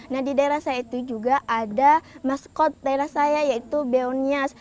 nah di daerah saya itu juga ada maskot daerah saya yaitu beonias